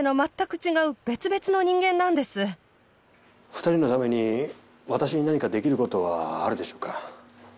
２人のために私に何かできることはあるでしょうか？